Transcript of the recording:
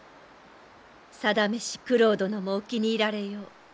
さだめし九郎殿もお気に入られよう。